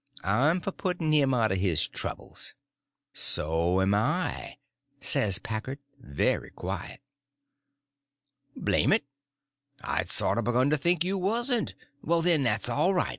I'm for putting him out of his troubles." "So'm I," says Packard, very quiet. "Blame it, I'd sorter begun to think you wasn't. Well, then, that's all right.